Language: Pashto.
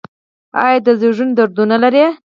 ایا د زیږون دردونه لرئ؟